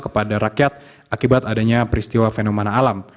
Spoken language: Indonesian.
kepada rakyat akibat adanya peristiwa fenomena alam